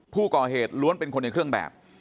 ผู้ก่อเหตุล้วนเป็นคนในเครื่องแบบ